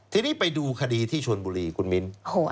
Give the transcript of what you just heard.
ทีนี้ไปดูคดีที่ชนบุรีคุณมิ้น